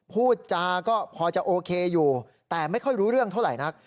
พูดจาก็พอจะโอเคอยู่แต่ไม่ค่อยรู้เรื่องเท่าไหร่นัก